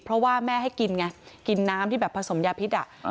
เพราะว่าแม่ให้กินน้ำที่ผสมยาพิษอ่ะ